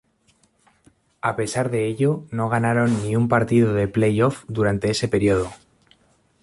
A pesar de ello, no ganaron ni un partido de playoff durante ese periodo.